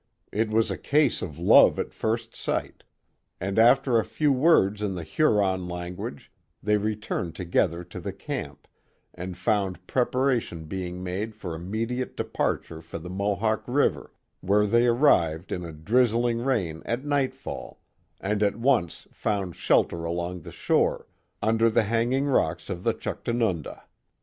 It was a case of love at first sight and after a few words in the Huron language they returned together to the camp, and found preparation being made for immediate departure for the Mohawk River, where they arrived in a drizzling rain at nightfall and at once found " shelter along the shore *' under the hanging rocks of the Juchtanunda.